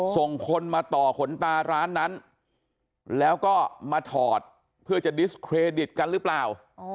ส่งคนมาต่อขนตาร้านนั้นแล้วก็มาถอดเพื่อจะดิสเครดิตกันหรือเปล่า